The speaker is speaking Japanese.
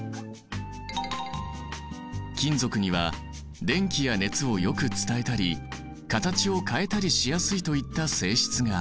金属には電気や熱をよく伝えたり形を変えたりしやすいといった性質がある。